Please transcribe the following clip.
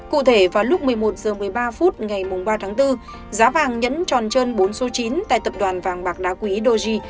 cụ thể vào lúc một mươi một h một mươi ba phút ngày ba tháng bốn giá vàng nhẫn tròn trơn bốn số chín tại tập đoàn vàng bạc đá quý doji